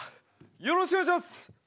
よろしくお願いします！